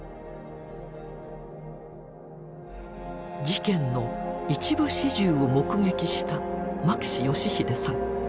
事件の一部始終を目撃した牧志義秀さん。